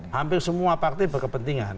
hampir semua partai berkepentingan